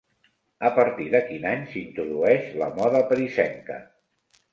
A partir de quin any s'introdueix la moda parisenca?